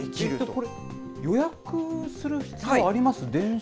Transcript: これ、予約する必要あります？